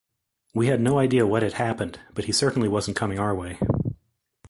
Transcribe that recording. We had no idea what had happened, but he certainly wasn't coming our way.